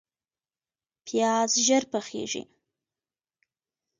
پیاز ژر پخیږي